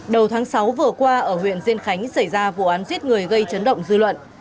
đầu tháng sáu vừa qua ở huyện diên khánh xảy ra vụ án giết người gây chấn động dư luận